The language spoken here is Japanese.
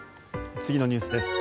次のニュースです。